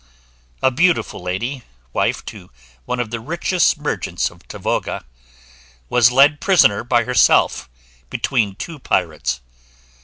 A beautiful lady, wife to one of the richest merchants of Tavoga, was led prisoner by herself, between two pirates.